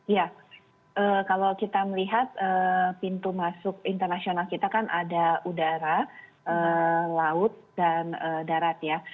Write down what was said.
ya kalau kita melihat pintu masuk internasional kita kan ada udara laut dan darat ya